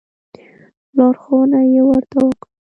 لارښوونه یې ورته وکړه.